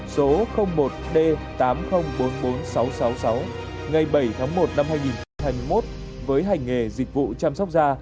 số một d tám nghìn bốn mươi bốn nghìn sáu trăm sáu mươi sáu ngày bảy tháng một năm hai nghìn hai mươi một với hành nghề dịch vụ chăm sóc da